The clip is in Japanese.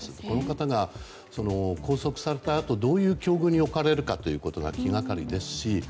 この方が拘束されたあとどういう境遇に置かれるかが気がかりですし。